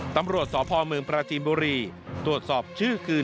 ตำรวจสอบภอมือพระจีมบุรีตรวจสอบชื่อคือ